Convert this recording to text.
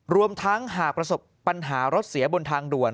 รวมทั้งหากประสบปัญหารถเสียบนทางด่วน